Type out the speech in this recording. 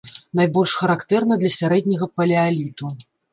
Найбольш характэрна для сярэдняга палеаліту.